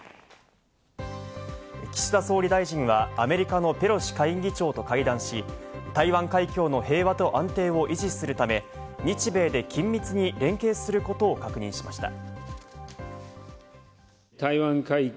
岸田総理大臣はアメリカのペロシ下院議長と会談し、台湾海峡の平和と安定を維持するため、日米で緊密に連携することを確認しました。